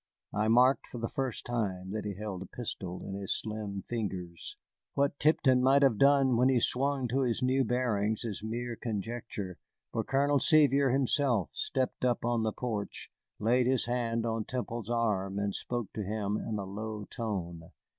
I marked for the first time that he held a pistol in his slim fingers. What Tipton might have done when he swung to his new bearings is mere conjecture, for Colonel Sevier himself stepped up on the porch, laid his hand on Temple's arm, and spoke to him in a low tone.